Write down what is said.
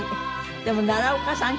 でも奈良岡さん